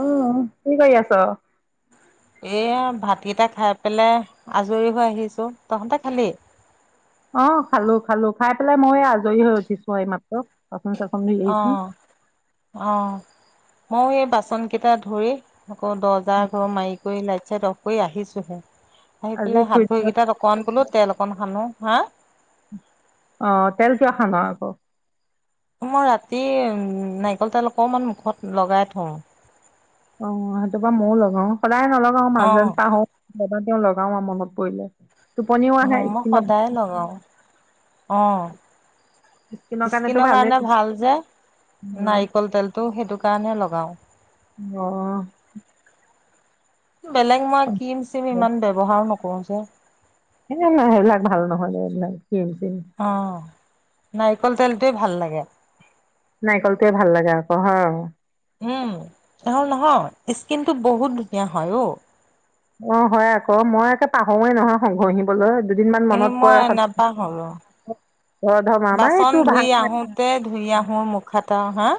অ'! কি কৰি আছ আছ? এইয়া ভাতকেইটা খাই পেলাই আজৰি হৈ আহিছোঁ। তহঁতে খালি? অ'! খালো খালো। খাই পেলাই মই এয়া আজৰি হৈ উঠিছোঁ এইমাত্ৰ। বাচন চাচন ধুই অ আহিছোঁ। মইয়ো এই বাচন কেইটা ধৰি আকৌ, দৰ্জাৰ ঘৰ মাৰি কৰি লাগ লগ কৰি আহিছোঁহে। আহি আজি পেলাই হাত ভৰি খুৰীদেউহত কেইটাত অকমান বোলো তেল অক অকণ খালোঁ। হা! অ'! তেল কিয় খাম আকৌ? মই ৰাতি নাৰিকল তেল অকমান মুখত লগাই থওঁ। অ'! সেইটো বাৰু মইও লগাওঁ। প্ৰায় নলগাওঁ অ মাজে, মাজে পাহৰোঁ। অকমান তেওঁ লগাওঁ আৰু মনত পৰিলে। টোপনিও আহে অ'! মই স্কিনৰ সদায় লগাওঁ। অ'! কাৰণেতো স্কিনৰ ভালেই কাৰনে ভাল যে, নাৰিকল তেলটো সেইটো কাৰণে লগাওঁ। অঁ! বেলেগ মই ক্ৰিম চিম ইমান ব্যৱহাৰো নক [unintelligible] [unintelligible] সেইবিলাক ভাল নহয়দে এইবিলাক। সেইটোৱে! অ নাৰিকল তেলটোৱে ভাল লাগে। নাৰিকল টোৱে ভাল লাগে আকৌ হয়। উম, নহ'ল নহয়, স্কিন টো বহুত ধুনীয়া হয়। অ'! অ'! হয়! আকৌ, মই একে পাহৰোঁৱে নহয় [unintelligible] ঘঁহিবলৈ। দুদিনমান এ, মনত মই পৰে নাপাহৰোঁ। ধৰ্ধৰ্মা আমাৰ এইটো বাচন ভাল ধুই নাই আহোঁতে ধুই আহোঁ মুখত। হা!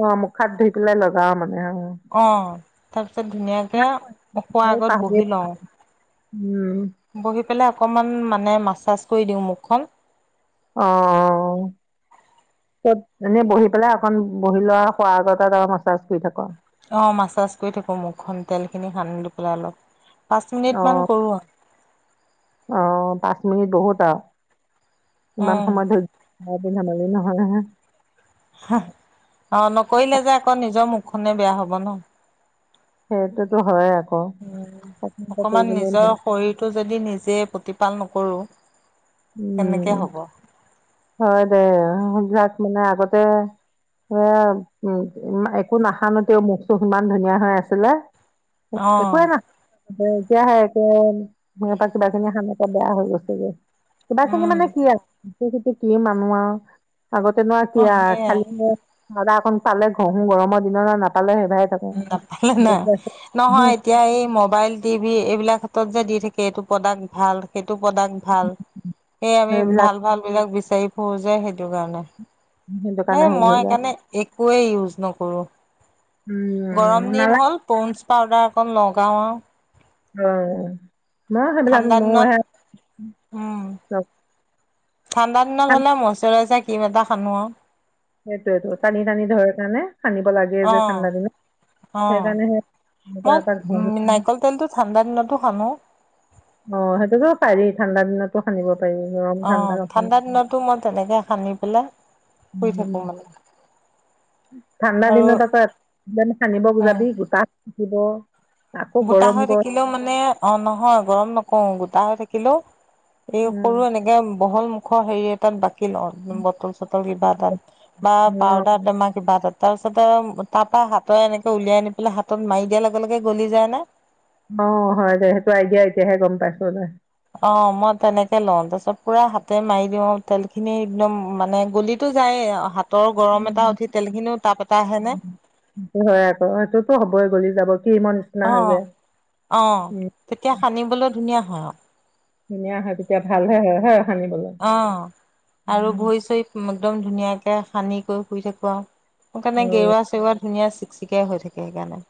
অ'! মুখ হাত ধুই পেলাই লগা মানে আৰু। অ'! তাৰপিছত ধুনীয়াকে শোৱাৰ অ আগত পাহৰি বহি লওঁ। উম! বহি অকমান মানে, মাচাজ কৰি দিওঁ মুখ খন। অঁ! তই এনেই বহি পেলাই অকণ বহি লওঁ আৰু শোৱাৰ আগত আৰু মাছাজ কৰি থাক। অ'! মাছাজ কৰি থাকোঁ মুখখন তেলখিনি সানি দি পেলাই অলপ। পাঁচ মিনিট মান কৰোঁ আৰু। অ পাঁচ মিনিট বহুত আৰু। ইমান উম সময় ধৰি এদিন আমুলি নহলে হে। অ নকৰিলে যে আকৌ নিজৰ মুখখনে বেয়া হব ন। সেইটোতো হয় আকৌ উম অকমান কৰিবলৈ নিজৰ শৰীৰটো যদি নিজে প্ৰতিপাল নকৰোঁ। উম হয় দে, সেইবিলাক মানে আগতে এ উ একো নাসানোতেও মুখটো সিমান ধুনীয়া হৈ আছিলে। অ', একোৱেই না এতিয়াহে একে সিহঁতৰ কিবা কিনি সিহতৰ বেয়া হৈ গৈছেগৈ। কিবা কিনি উম, মানে কি আক সেইটোৱেটো কি মানুহ আৰু। আগতে নোৱাৰ কি অ', আৰু খালি সেইয়াই মজাক পালে ঘহো গৰমৰ দিনত আ নাপালে সেইভাগে থাকো নাপালে নাই, নহয় এতিয়া এই মবাইল, টিভি এইবিলাক ক্ষেত্ৰত যে দি থাকে কে এইটোপ্ৰডাক্ট ভাল সেইটো প্ৰডাক্ট ভাল। সেই আমি সেইবিলাক ভাল ভাল বিলাক বিচাৰি ফুৰো যে। সেটোকাৰণে। সেইটো এ কাৰণে হেৰি হৈ মই যায় একাৰণে একোয়ে ইউজ নকৰো। উম গৰম দিন নালাগে হ'ল পণ্ডছ পাউদাৰ অকণ লগাওঁ আও। উম। না সেইবিলাক মোৰ দিনত হে উম, ঠাণ্ডা দিনত হলে মচৰাইজাৰ ক্ৰিম এটা সানো আৰু। সেইটোয়টো, টানি টানি ধৰে কাৰণে সানিব লাগে যে অ', ঠাণ্ডা দিনত অ। সেইকাৰণে সে এনেকুৱা এটা মই ঘঁহি নাৰিকল তেলটো ঠাণ্ডা দিনতো সানো। অ সেইটোতো পাৰি ঠাণ্ডা দিনতো সানিব পাৰি, গৰম অ ঠাণ্ডা কথা দিনতো মই তেনেকে সানি পেলাই শুই নাই। থাকো মানে ঠাণ্ডা আৰু দিনত আকৌ সানিব উম যাবি গোটা দিব। গোটা হৈ থাকিলেও মানে অ নহয়, গৰম নক ও গোটা হৈ থাকিলো। এই উম, সৰু এনেকে বহল মুখ হেৰি এটাত বাকী কি ল বটল চটল কিবা এটাত বা পাউদাৰ টেমাৰ কিবা এটাত। তাৰপিছত এ, তাৰ পৰা হাতৰ এনেকে উলিয়াই আনি পেলাই হাতত মাৰি দিয়াৰ লগে লগে গলি যায়। নে? অ হয় দে, সেইটো আইডিয়া এতিয়াহে গম পাইছো। অ, মই তেনেকে লওঁ। তাৰ পিছত পুৰা হাতে মাৰি দিও, তেল খিনি একদম মানে গলিতো যায়ে আও তৰ গৰম এটা উঠি তেলখিনিও তাপ এটা আহে নে? সেইটো হয় আকৌ সেইটোতো হ'বই গলি যাব। ক্ৰীমৰ নিচিনা হৈ অ', যায় অ। উম, তেতিয়া সানিবলৈ ধুনীয়া। অ। ধুনীয়া হয় তেতিয়া ভালহে হয়। হ। অ আৰু ভৰি চই একদম ধুনীয়াকে। একে সানি কৰি শুই থাকো আৰু। মোৰ অ কাৰণে অ গেৰুৱা চেওৱা ধুনীয়া। চিকিকাই হৈ থাকে সেইকাৰণে।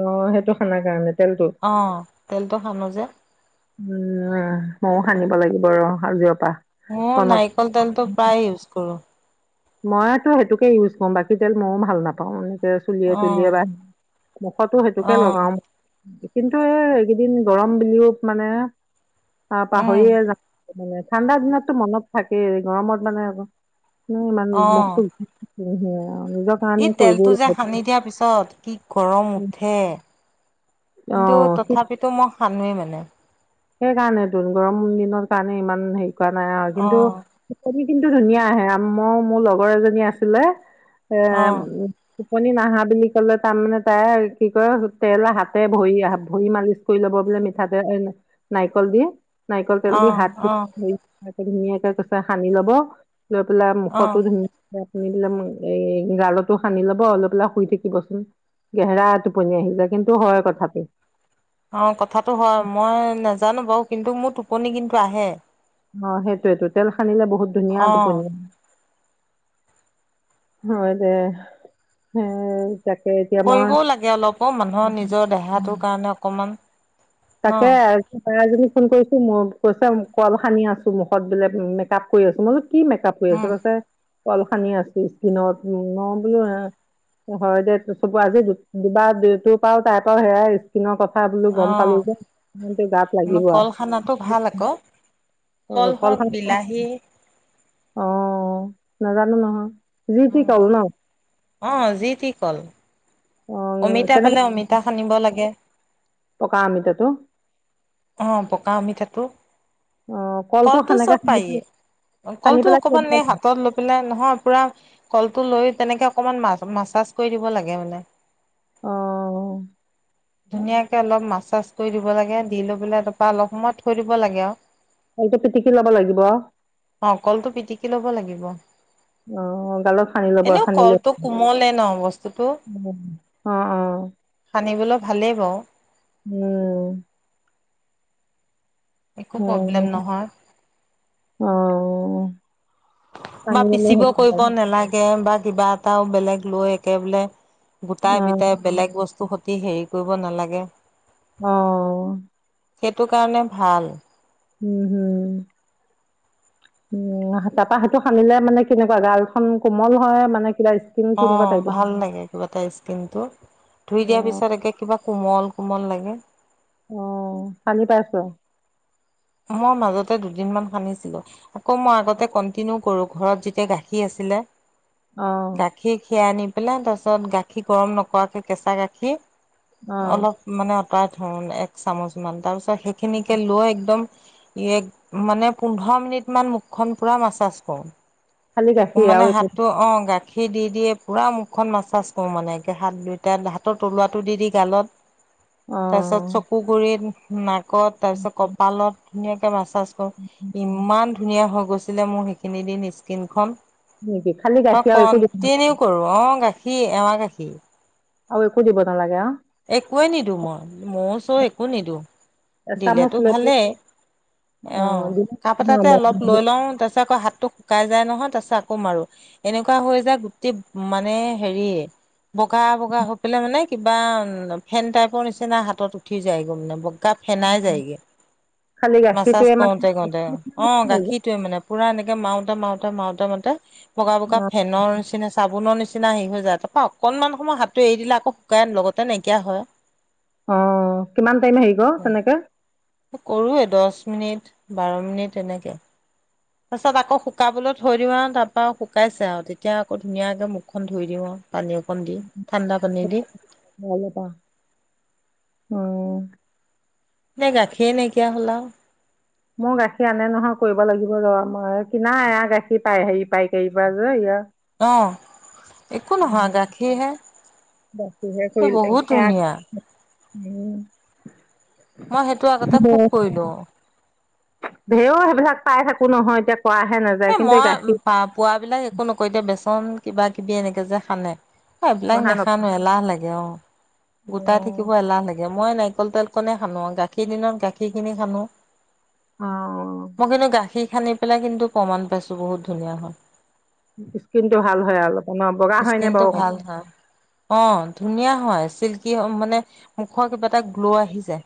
অহ সেইটো খানাৰ কাৰণে তেলটো অ', তেলটো সানো যে। উম, ময়ো সানিব লাগিব ৰ। আজি অ নাৰিকল তেলটো প্ৰায় ইউজ কৰো মইতো সেইটোকে ইউজ কৰোঁ, বাকী তেল মইও ভাল নাপাওঁ, মানে। চুলিয়ে তুলিয়ে অ'। বা মুখতো সেইটোকে অ', লগাও কিন্তু এইকেইদিন গৰম বুলিও মানে তা উম, পাহৰিয়ে যাও মানে ঠাণ্ডা দিনতো মনত থাকেই গৰমত মানে আকৌ কোনো ইমান মূখ চূখ [unintelligible] এই তেলটো যে সানি দিয়াৰ পিছত কি গৰম উঠে কিন্তু অ তথাপিতো মই সানিমেই [unintelligible] সেইকাৰণেতো গৰম দিনৰ কাৰণে ইমান সেই হোৱা নাই আ কিন্তু অ', [unintelligible] কিন্তু ধুনীয়া আহে। ম, মোৰ লগৰ এজনী আছিলে অ', উ উ [unintelligible] টোপনি নাহা বুলি কলে তাৰমানে তাই কি কয় তেল হাতে ভৰিএ হাত-ভৰি মালিচ কৰি লব বোলে মিঠাতেল নাইকলদো নাৰিকল তেল দি অ', হাত অ'। ধুনীয়াকে কৈছে সানি লব লৈ পেলাই অ', মুখতো ধুনীয়া। [unintelligible] এই গালতো সানি ল'ব, লৈ পেলাই শুই থাকিবচোন। গেহেৰা টোপনি আহি। [unintelligible] কিন্তু হয় কথাটো অ কথাটো হয় মই না নাজানো বাৰু! কিন্তু মোৰ টোপনি কিন্তু আহে। অ সেইটোৱে টোতেল সানিলে বহুত ধুনীয়া টোপনী অ', হয় হয়, দে হে। কৰিবও লাগে অলপো মানুহৰ নিজৰ দেহাটোৰ কাৰণে অকমান। ন? তাকে আৰু বা এজনীক ফোন কৰিছো মোৰ। কৈছে কল সানি আছো মুখত বোলে মেকআপ কৰি আছো মই। কি মেকআপ কৰি আছ' উম, কৈছে। কল সানি আছো স্কিনত মই বোলো হয় দে চব আজি দুবাৰ [unintelligible] টাইপৰ সেয়াই স্কিনৰ ক চাই বোলো কম। অ', সেইটো গাত লাগিব, কল খানাটো ভাল আকৌ। আৰু কল হওক, সানি বিলাহী অ নাজানো নহয়। যিতি কও ন। অ যি তি কল। অ অমিতা কেনেকে পালে অমিতা সানিব লাগে। পকা অমিতা তো। অ, পকা আমিতা তো অ কলটো সেনেকে চব সানি পায়েই পেলাই- সানি কলটো পেলাই থৈ অকমান দিব এই লাগে হাতত লৈ পেলাই নহয় পুৰা। কলটো লৈ তেনেকে অকমান মা মাছাজ কৰি দিব লাগে মানে। অ। ধুনীয়াকে অলপ মাছ চ কৰি দিব লাগে দি লৈ পেলাই তাৰপা অলপ সময়ত থৈ দিব লাগে আৰু আৰুটো পিটিকি লব লাগিব। কি কি ল'ব লাগিব। অ গালত সানি লব এনেও সানিলে কলটো কোমলে ন বস্তুটো অ, অ। সানিবলৈ ভালেই পাওঁ। উম। একো প্ৰব্লেম উ, নহয়। অহ। বা পিচিব কৰিব নালাগে বা কিবা টাও বেলেগ লৈ একে বোলে গোটাই অ পিটাই বেলেগ বস্তু স অ, হেৰি কৰিব নালাগে। আহ সেইটো কাৰণে ভাল উম হম উম তাৰাপা সেইটো সানিলে মানে কেনেকুৱা গালখন কোমল হয় মানে কিবা স্কিন অ কেনেকুৱা টাইপৰ ভাল লাগে কিবা এটা স্কিনটো ধুই অ দিয়াৰ পিছত একে কিবা কোমল কোমল লাগে আহ সানি পাইছো মই মাজতে দুদিন সান্িছিলো আকৌ মই আগতে কন্টিনিউ কৰো ঘ যেয়া গাখীৰ আছিল অ গাখীৰ খীৰা আ নি পেলাই তাৰ পাছত গাখীৰ গৰম নকৰাকে কেঁচা অ গাখীৰ অলপ মানে ধন এক চামুচমান তাৰপিছত ত সেইখিনিকে লৈ একদম ই মানে পোন্ধৰ মিনিট মান মুখখন পুৰা মাছাজ কৰো খালি কুু গাখীৰ মানে আৰু একো হাতটো অ গাত গখি দি দিয়ে পুৰা মুখখন মাছাজ কৰো মানেে হাত দুইটাাত হাতৰ তলুৱাটো দি দি গালত অ তাৰপিছত চকু গুৰিত ন ত তাৰপিছত কপালত ধুনীয়া কৰে মাছ কৰ ইমান ধুনীয়া হৈ গ মোৰ সেইখিনি দিন ইচকিন খন খালি গাখীৰ একদিব কি এয়াৰ গাখীৰ আৰু একো দিব নালাগে আৰুএকো নিদিওঁ এচামুচ দিলেতো লৈ ভালেই অ দিনত কাপ ন এটাতে মই অলপ লৈ লওঁ তাৰপিছত আকৌ হাত টো শুকাই যাই নহয় তাৰ পিছত আকৌ মাৰো এনেকুৱা হৈ যায় গুটি মানে হেৰি বগা বগা হৈ পেলাই মানে কিবা ফেন টাইপৰ নিচিনা হাতত উঠি যায়গ'ল মানে বগা ফেনাই যায়গৈ খালি মাছছ গাখীৰটোৱে মানে কৰোতে কৰোতে অ গাখীৰটোয়ে মানে পুৰা এনেকে মাউতা মউতা মাউতা মাতা বগা বগা ফেনৰ নিচিনা চাবোনৰ নিচিনা নিচনা হেৰি হৈ যায় তাৰৰা অকণমান সময় হাতটো এৰি দিলে আক শুকাই আন লগত নাইকিয়া হয় অ কিমান টাইম হেৰী ক তেনেকে কৰোৱে দহ মিনিট বাৰ মিনিট এনেকে তাৰপাছত আকৌ শুকাবলৈ থৈ দিওঁ আৰু তাৰপৰা শুকাইছে আৰু তেতিয়া আকৌ ধুনীয়াকে মুখখন ধুই দিওঁ আৰু পানী অকণ দি ঠাণ্ডা পানী দি ভাল তা উম এতিয়া গাখীৰে নাইকিয়া হ'লা মোৰ গাখীৰ আনে নহয় কৰিব লাগিব ৰ মই কিনা এয়া গাখীৰ পাই হেৰি পায় কাৰি পৰা যে অঁ একো নহয় গাখীৰহে, সেই বহুত ধুনীয়া। উম মই সেইটো আগতে খুব কৰিলোঁ। ঢেওৰ, সেইবিলাক পাই থাকো নহয় এতিয়া কৰাহে নাযায় এ কিন্তু এই মই গাখীৰ পা পোৱাবিলাক একো নকও এতিয়া বেচন কিবা কিবি এনেকে যা খানে অঁ এইবিলাক অহা নেখানো, নকওঁ এলাহ লাগে অঁ গোটাই থাকিব এলাহ লাগে। মই নাৰিকল তেলকনে সানো আও গাখীৰ দিনত গাখীৰখিনি সানো। মই কিন্তু গাখীৰ অঁ সানি পেলাই কিন্তু প্ৰমাণ পাইছো বহুত ধুনীয়া হয়। স্কিনটো ভাল হয় অলপমান, বগা হয় ন স্কিনটো বাৰু ভাল অকমান? হয় চিল্কি কি হয় মানে, মুখৰ কিবা এটা গ্ল' আহি যায়।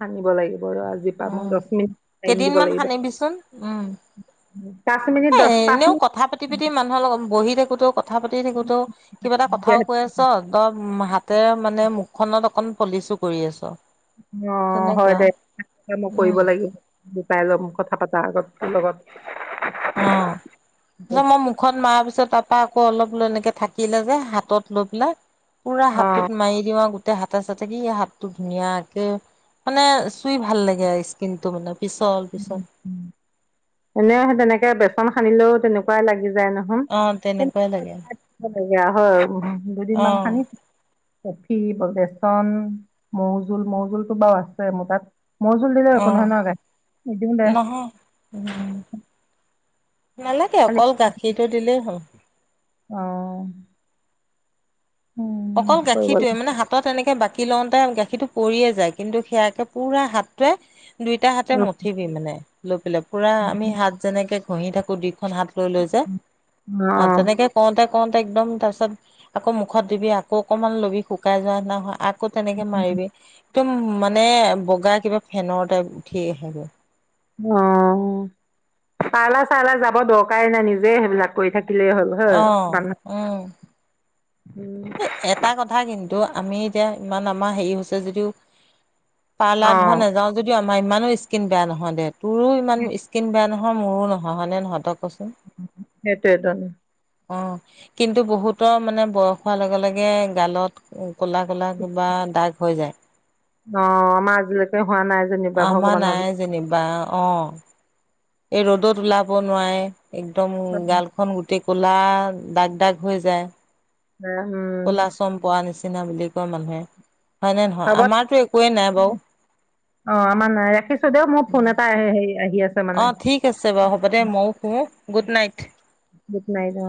সানিব লাগিব ৰ আজি পা মই উম, দশ মিনিট টাইম দিব লাগিব। পাঁচ হ মিনিট দহ পাঁচ এনেও মিনিট কথা পাতি পাতি মানুহৰ লগত বহি [unintelligible] কথা পাতি থাকোতেও কিবা এটা কথাও যিহেতু, কৈ আছ দ হাতেৰে মানে খনত অকন পলিচো কৰি আছ। অঁ হয় তেনেকুৱা দে, মই কৰিব উম, লাগিব [unintelligible] কথা পতা আগত তোৰ লগত অঁ মই মুখত মাৰা পিছত তাত তপা আকৌ অলপ এনেকে থাকিলে যে হাতত লৈ পেলাই পোৰা অ হাতটোত মাৰি দিওঁ আ গ তে হাতে-চাতে দি হাতটো ধুনীয়াকে, মানে চুই ভাল লাগে আ স্কিন ত মানে পিছল পিছল [unintelligible] এনে সে তেনেকে বেচন সানিলেও তেনেকুৱাই লাগি যায়। নহয় অঁ তেনেকুৱাই লাগে [unintelligible] হয় দুদিন অ মান সানিছোঁ। কফি বা বেচন মৌজোল, মৌজোলতটো বাও আছে মোৰ তাত মৌজুল দিলে অ একোনহয় নাগাই নহয় ওম নালাগে অকল গাখীৰটো দিলেই হ'ল আহ অকল গাখীৰটোৱে মানে হাতত এনেকে বাকী লওঁতে গাখীৰটো পৰিয়ে যায় কিন্তু সেয়াকে পুৰা হাতটোৱে দুইটা হাতে লাগিব মঠিবি মানে ল পেলাই পুৰা আমি হাত যেনেকে ঘঁহি থাকো দি হাত লৈ লৈ য অ তেনেকে কৰোতে কতে একদম তাৰ পিছত আকৌ মুখত দিবি আ আকৌ অকণমান লবি শুকাই যোৱা নিহয় আ কৌ তেনেকে মাৰিবি। একদম মানে বগা কিবা ফেনৰ তাইপ উঠি আহেগে। অ' পালা চালা যাব দ'কায়ে নাই নিজে হেবিলাক ক ই থাক দিলেই হ'ল হয় [unintelligible] এ এটা কথা কিন্তু, তো' আমি এতিয়া ইমান আমা হেই হৈছে যদিওঁ পালা অ ধ নেযাওঁ যদিও আম আমা ইমানো স্কিন বেয়া নহয় দে। তোৰো ইমান স্কিন বেয়া নহ অ, মোৰো নহয় হয়নে নহয় তই ক সেটোৱে তাৰমানে অ, কিন্তু বহুতৰ মানে বয়স হোৱা লগে লগে গালত ক'লা-ক'লা কিবা দাগ হৈ যায়। অ' আমা আজিলেকে আমা নাই যেনিবা অ। এ ৰ'দত ওলাব নোৱাৱে। একদম কৃপাত। গালখন গোটেই ক'লা দাগ দাগ হৈ যায়। [unintelligible] ক'লা চম পোৱাৰ নিচিনা বুলি কয় মানুহে, হয়নে নহয় হ'ব আমাৰতো একোৱেই নাই বাউ। অ আমাৰ নাই ৰাখিছো দেও মোৰ ফোন এটা আহে হেৰি আহি আছে অ, মানে ঠিক আছে বাউ হ'বদে মউ শুওঁ। গুট নাইথ। গুট নাইদ অ।